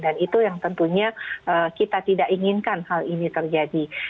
dan itu yang tentunya kita tidak inginkan hal ini terjadi